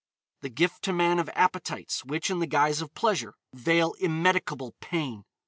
The gift to man of appetites, which, in the guise of pleasure, veil immedicable pain.